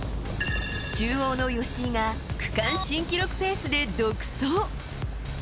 中央の吉居が区間新記録ペースで独走。